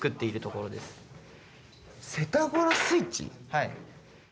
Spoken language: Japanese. はい。